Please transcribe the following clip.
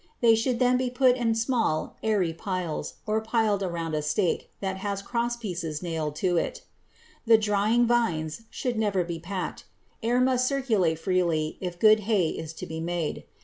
They should then be put in small, airy piles or piled around a stake that has crosspieces nailed to it. The drying vines should never be packed; air must circulate freely if good hay is to be made.